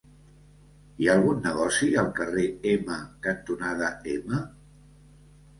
Hi ha algun negoci al carrer Ema cantonada M?